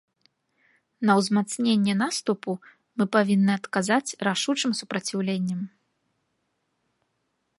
На ўзмацненне наступу мы павінны адказаць рашучым супраціўленнем.